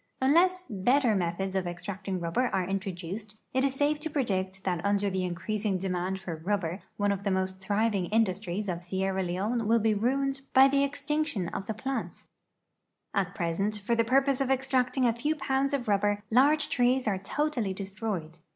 Unless better methods of extracting rubber are introduced, it is safe to predict that under the increasing demand for rubber one of the most thriving industries of Sierra Leone will be ruined by the extinction of the plant. At present, for the purpose of extract ing a few pounds of rubber, large trees are totally destroyed.